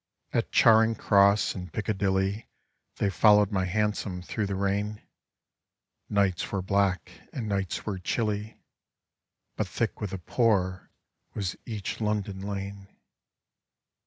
At Charing Cross and Piccadilly They followed my hansom through the rain; Nights were black and nights were chilly, But thick with the poor was each London lane.